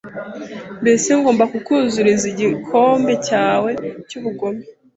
Mbese ngomba kukuzuriza igikombe cyawe cy'ubugome